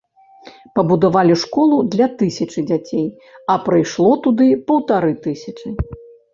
Пабудавалі школу для тысячы дзяцей, а прыйшло туды паўтары тысячы.